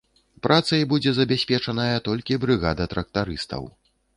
Працай будзе забяспечаная толькі брыгада трактарыстаў.